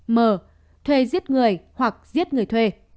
m thuê giết người hoặc giết người thuê